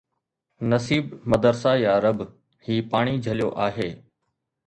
نصيب مدرسه يا رب، هي پاڻي جهليو آهي